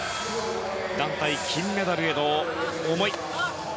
団体金メダルへの思い。